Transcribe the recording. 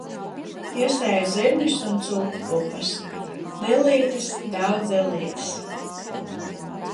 Iesēju zirņus un cūku pupas. Dillītes, daudz dillītes.